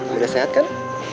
udah sehat kan